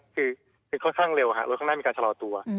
คือค่อนข้างเร็วรถข้างหน้ามีการชะลอตัว